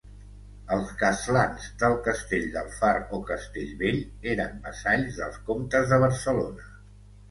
Els castlans del castell del Far o castell Vell eren vassalls dels comtes de Barcelona.